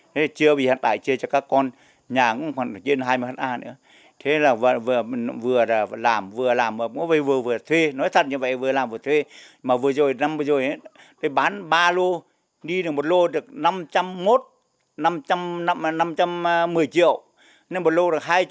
đi được một lô được năm trăm một mươi triệu một lô được hai trăm bảy mươi triệu một lô được ba trăm hai mươi triệu